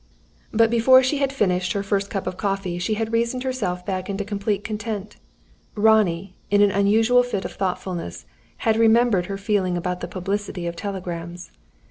But before she had finished her first cup of coffee, she had reasoned herself back into complete content. Ronnie, in an unusual fit of thoughtfulness, had remembered her feeling about the publicity of telegrams.